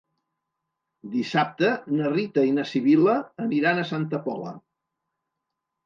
Dissabte na Rita i na Sibil·la aniran a Santa Pola.